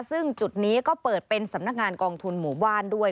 ซึ่งจุดนี้ก็เปิดเป็นสำนักงานกองทุนหมู่บ้านด้วย